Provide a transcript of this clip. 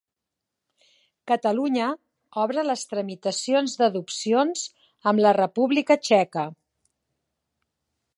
Catalunya obre les tramitacions d'adopcions amb la República Txeca.